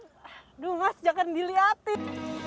aduh mas jangan dilihatin